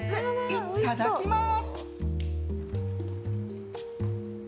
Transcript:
いただきます。